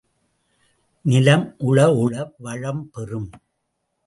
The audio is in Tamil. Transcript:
நிலம் உழ உழ வளம் பெறும்.